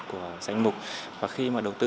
của danh mục và khi mà đầu tư